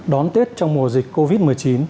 đón tết trong mùa dịch covid một mươi chín